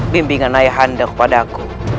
bimbingan ayah anda kepada aku